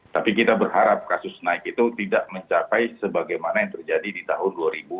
tapi kita berharap kasus naik itu tidak mencapai sebagaimana yang terjadi di tahun dua ribu dua puluh satu dua ribu dua puluh